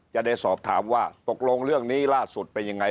จะได้สอบถามว่าตกลงเรื่องนี้ล่าสุดเป็นยังไง